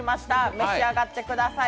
召し上がってください。